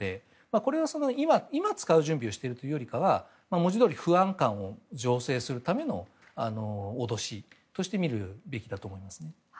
これは今、使う準備をしているというよりかは文字どおり不安感を醸成するための脅しとして見るべきだと思いますね。